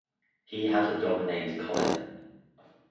He has a dog named Colin.